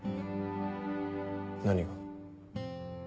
何が？